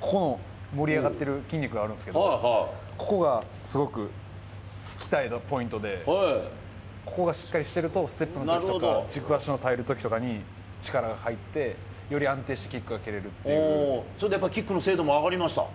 ここの盛り上がってる筋肉があるんですけど、ここがすごく鍛えるポイントで、ここがしっかりしてると、ステップのときとか、軸足の耐えるときとかに力が入ってより安定して、それでやっぱり、上がりました。